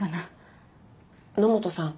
野本さん